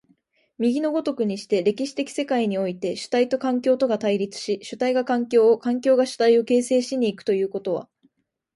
右の如くにして、歴史的世界において、主体と環境とが対立し、主体が環境を、環境が主体を形成し行くということは、